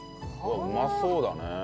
うまそうだね。